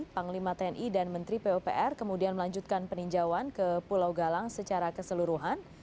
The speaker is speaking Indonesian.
panglima tni dan menteri pupr kemudian melanjutkan peninjauan ke pulau galang secara keseluruhan